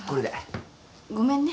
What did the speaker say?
ごめんね。